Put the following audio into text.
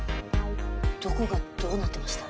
どこがどうなってました？